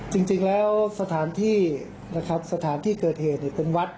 จริงแล้วสถานที่นะครับสถานที่เกิดเหตุเป็นวัด